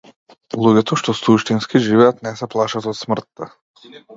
Луѓето што суштински живеат не се плашат од смртта.